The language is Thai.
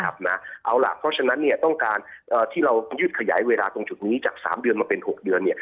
เอาล่ะเพราะฉะนั้นต้องการที่เรายืดขยายเวลาตรงจุดนี้จาก๓เดือนมาเป็น๖เดือน